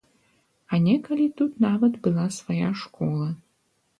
А некалі тут нават была свая школа.